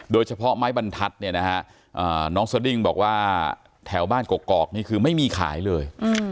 โดยเฉพาะไม้บรรทัศน์เนี่ยนะฮะน้องสดิ้งบอกว่าแถวบ้านกอกนี่คือไม่มีขายเลย